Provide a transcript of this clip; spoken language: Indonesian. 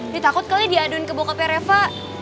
dia takut kali dia aduin ke bokapnya reva